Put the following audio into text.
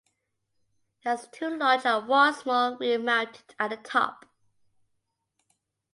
It has two large and one small wheel mounted at the top.